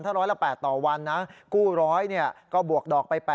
ถ้าร้อยละ๘ต่อวันนะกู้๑๐๐ก็บวกดอกไป๘